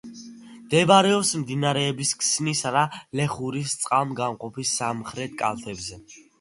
მდებარეობს მდინარეების ქსნისა და ლეხურის წყალგამყოფის სამხრეთ კალთებზე.